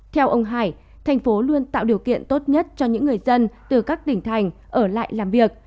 theo ông hải thành phố luôn tạo điều kiện tốt nhất cho những người dân từ các tỉnh thành ở lại làm việc